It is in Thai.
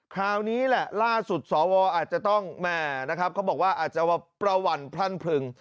คราวนี้แหละล่าสุดสวอาจจะต้องแม่นะครับเขาบอกว่าอาจจะประหวั่นพรั่นพลึง